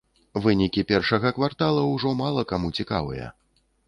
Вынікі першага квартала ўжо мала каму цікавыя.